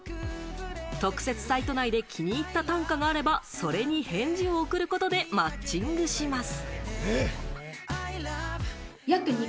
特設サイト内で気に入った短歌があれば、それに返事を送ることでマッチングします。